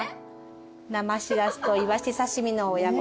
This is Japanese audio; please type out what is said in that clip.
生シラスとイワシ刺身の親子丼。